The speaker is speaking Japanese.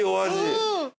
うん！